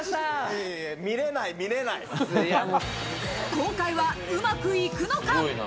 今回はうまくいくのか？